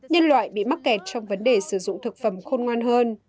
nhân loại bị mắc kẹt trong vấn đề sử dụng thực phẩm khôn ngoan hơn